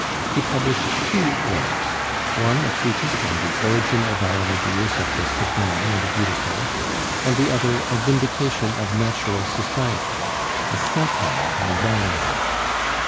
He published two works, one a treatise on the 'Origin of our Ideas of the Sublime and Beautiful,' and the other a 'Vindication of Natural Society,' a satire on Bolingbroke.